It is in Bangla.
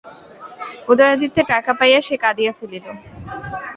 উদয়াদিত্যের টাকা পাইয়া সে কাঁদিয়া ফেলিল।